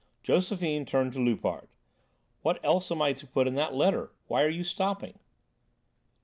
Josephine turned to Loupart: "What else am I to put in the letter? Why are you stopping?"